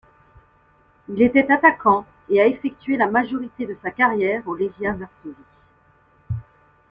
Il était attaquant, et a effectué la majorité de sa carrière au Legia Varsovie.